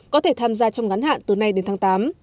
có thể tham gia trong ngắn hạn từ nay đến tháng tám